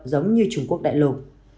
giống như trung quốc đại lục